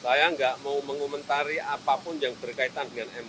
saya nggak mau mengomentari apapun yang berkaitan dengan mk